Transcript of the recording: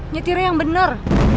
nyetirnya yang bener